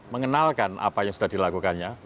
mengenalkan apa yang sudah dilakukannya